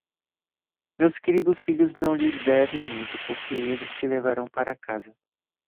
Meus queridos filhos não lhes devem muito, porque eles te levarão para casa.